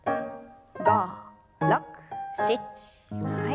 ５６７はい。